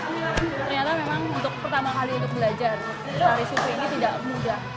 wah ternyata memang pertama kali untuk belajar tari suku ini tidak mudah